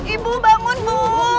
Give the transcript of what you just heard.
ibu bangun bu